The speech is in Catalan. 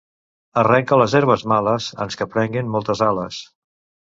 Arrenca les herbes males ans que prenguen moltes ales.